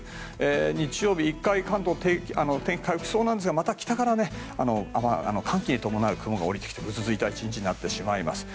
日曜日は、１回天気が回復しそうなんですがまた北から寒気に伴う雲が下りてきてぐずついて１日になってきてしまいます。